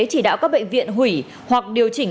chỉ đạo các bệnh viện hủy hoặc điều chỉnh